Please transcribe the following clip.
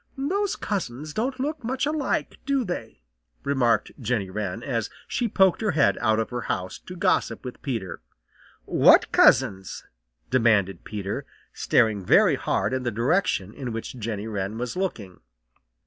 "Those cousins don't look much alike, do they?" remarked Jenny Wren, as she poked her head out of her house to gossip with Peter. "What cousins?" demanded Peter, staring very hard in the direction in which Jenny Wren was looking.